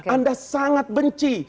anda sangat benci